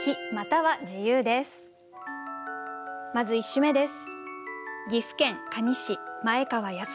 まず１首目です。